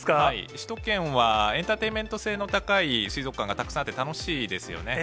首都圏はエンターテインメント性が高い水族館がたくさんあって楽しいですよね。